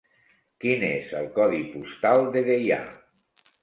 Quin és el codi postal de Deià?